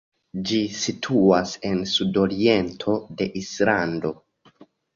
Ĝi situas en sudoriento de Islando.